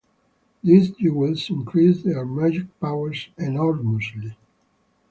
These jewels increase their magic powers enormously.